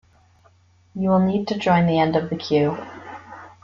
You will need to join the end of the queue.